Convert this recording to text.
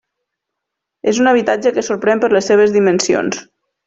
És un habitatge que sorprèn per les seves dimensions.